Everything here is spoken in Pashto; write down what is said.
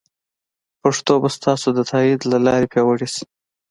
پښتو به ستاسو د تایید له لارې پیاوړې شي.